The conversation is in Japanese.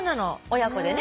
親子でね。